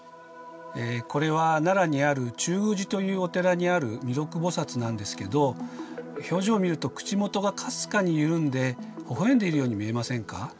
これは奈良にある中宮寺というお寺にある弥勒菩なんですけど表情を見ると口元がかすかに緩んでほほ笑んでいるように見えませんか？